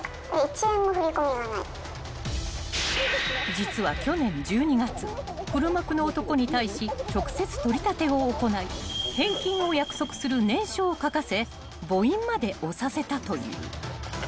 ［実は去年１２月黒幕の男に対し直接取り立てを行い返金を約束する念書を書かせ母印まで押させたという］